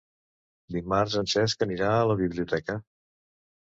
Dimarts en Cesc anirà a la biblioteca.